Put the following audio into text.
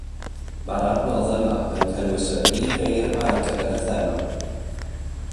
Mae'r adnodd yma yn cynnwys y brif eirfa ar gyfer y thema